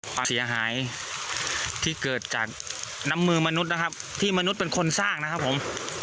ความเสียหายที่เกิดจากน้ำมือมนุษย์นะครับที่มนุษย์เป็นคนสร้างนะครับผม